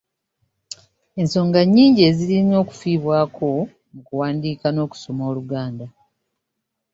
Ensonga nnyingi ezirina okufiibwako mu kuwandiika n'okusoma Oluganda.